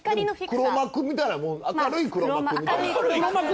黒幕みたいな明るい黒幕みたいな？